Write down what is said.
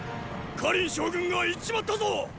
燐将軍が行っちまったぞ！